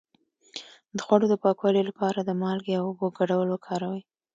د خوړو د پاکوالي لپاره د مالګې او اوبو ګډول وکاروئ